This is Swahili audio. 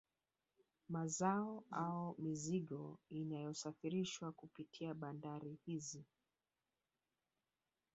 Mazao au mizigo inayosafirishwa kupitia bandari hizi